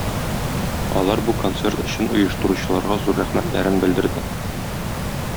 Алар бу концерт өчен оештыручыларга зур рәхмәтләрен белдерде.